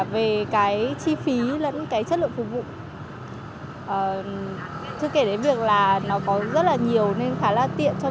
bản thân là khách hàng thì mình nghĩ là chất lượng dịch vụ và nhu cầu và sự tiện lợi